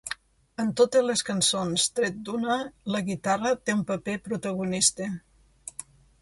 En totes les cançons, tret d'una, la guitarra té un paper protagonista.